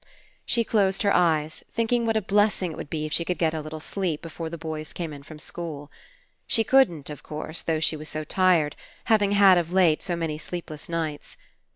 She closed her eyes, thinking what a blessing it would be if she could get a little sleep before the boys came in from school. She couldn't, of course, though she was so tired, having had, of late, so many sleepless nights.